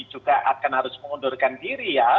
juga akan harus mengundurkan diri ya